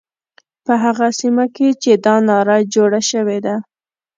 په هغه سیمه کې چې دا ناره جوړه شوې ده.